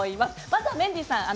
まずはメンディーさん